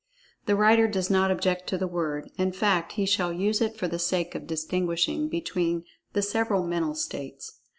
The writer does not object to the word; in fact, he shall use it for the sake of distinguishing between the several mental states.